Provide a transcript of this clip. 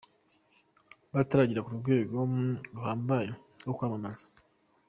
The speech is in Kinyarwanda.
bataragera ku rwego ruhambaye rwo kwamamara.